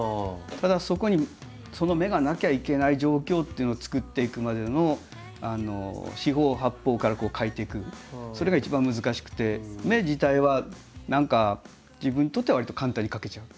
ただそこにその目がなきゃいけない状況というのを作っていくまでの四方八方から描いていくそれが一番難しくて目自体は何か自分にとってはわりと簡単に描けちゃう。